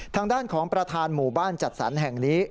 ทางด้านของประธานหมู่บ้านจัดสรรแห่งนี้